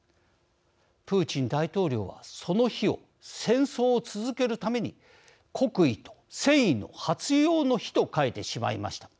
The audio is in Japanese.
プーチン大統領はその日を戦争を続けるために国威と戦意の発揚の日と変えてしまいました。